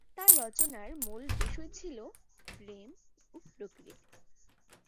তার রচনার মূল বিষয় ছিল প্রেম ও প্রকৃতি।